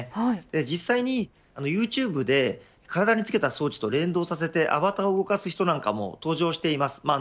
実際にユーチューブで体につけた装置と連動させてアバターを動かす人が登場しています。